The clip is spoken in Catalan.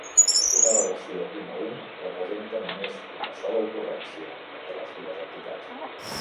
Una relació un a un representa només una sola ocurrència entre les dues entitats.